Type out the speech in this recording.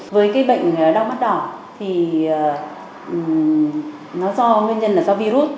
với cái bệnh đau mắt đỏ thì nó do nguyên nhân là do virus